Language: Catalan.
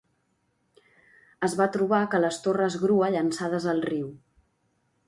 Es va trobar que les torres grua llançades al riu.